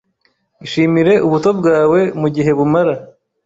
Ishimire ubuto bwawe mugihe bumara.